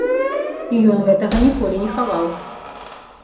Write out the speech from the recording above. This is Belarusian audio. І ён гэтага ніколі не хаваў.